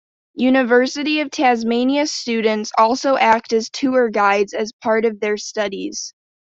University of Tasmania students also act as tour guides as part of their studies.